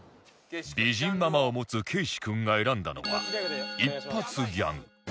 美人ママを持つけいし君が選んだのは「一発ギャグ」